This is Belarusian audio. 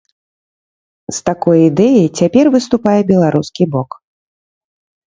З такой ідэяй цяпер выступае беларускі бок.